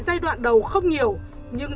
giai đoạn đầu không nhiều nhưng